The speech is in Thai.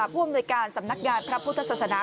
ร่วมโดยการสำนักงานพระพุทธศาสนา